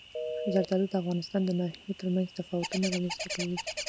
زردالو د افغانستان د ناحیو ترمنځ تفاوتونه رامنځ ته کوي.